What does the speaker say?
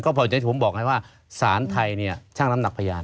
ก็เพราะฉะนั้นผมบอกให้ว่าศาลไทยเนี่ยช่างน้ำหนักพญาน